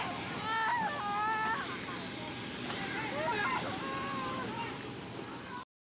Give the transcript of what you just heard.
pertama kali penumpang terluka saat berjalan ke kawasan bandara